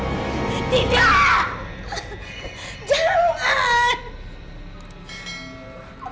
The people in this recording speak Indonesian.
aku bilang jangan ke sana